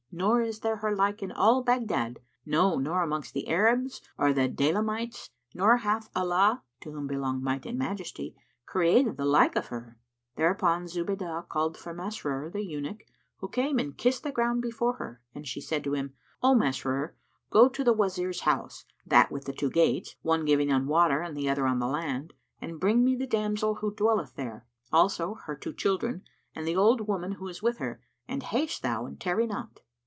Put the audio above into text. nor is there her like in all Baghdad; no, nor amongst the Arabs or the Daylamites nor hath Allah (to whom belong Might and Majesty!) created the like of her!" Thereupon Zuhaydah called for Masrur, the eunuch, who came and kissed the ground before her, and she said to him, "O Masrur, go to the Wazir's house, that with the two gates, one giving on the water and the other on the land, and bring me the damsel who dwelleth there, also her two children and the old woman who is with her, and haste thou and tarry not."